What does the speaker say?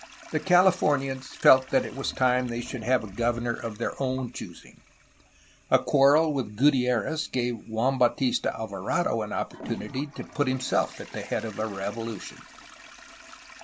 The Californians felt that it was time they should have a governor of their own choosing. A quarrel with Gutitoez gave Juan Bautista Alvarado an oppor tunity to put himself at the head of a revolution.